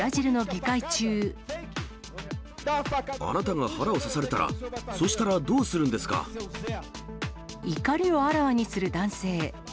あなたが腹を刺されたら、怒りをあらわにする男性。